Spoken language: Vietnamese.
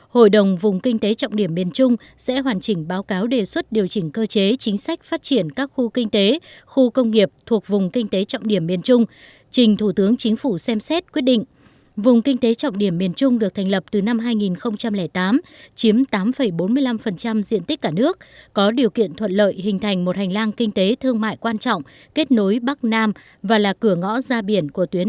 hội đồng vùng kinh tế trọng điểm miền trung đại diện các bộ ngành trung ương và lãnh đạo năm địa phương gồm thừa thiên huế đà nẵng quảng nam quảng nam quảng nam quảng nam